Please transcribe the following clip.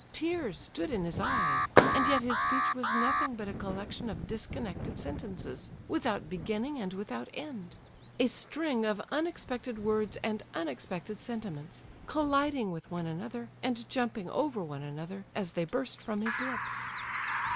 Tears stood in his eyes, and yet his speech was nothing but a collection of disconnected sentences, without beginning and without end—a string of unexpected words and unexpected sentiments—colliding with one another, and jumping over one another, as they burst from his lips.